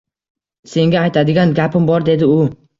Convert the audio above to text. Senga aytadigan gapim bor, dedi u